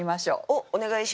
お願いします。